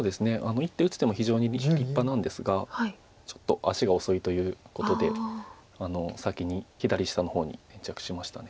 １手打つ手も非常に立派なんですがちょっと足が遅いということで先に左下の方に先着しました。